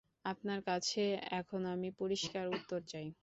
আপনার কাছে এখন আমি পরিষ্কার উত্তর চাই।